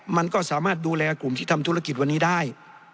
มันก็สามารถดูแลกลุ่มที่ทำธุรกิจวันนี้ได้